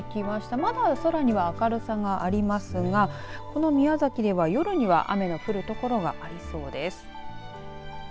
まだ空には明るさがありますがこの宮崎では夜に雨が降る所がありそうです。